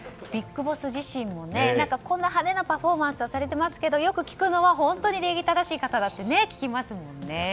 ビッグボス自身もこんな派手なパフォーマンスされていますけどよく聞くのは本当に礼儀正しい方だって聞きますもんね。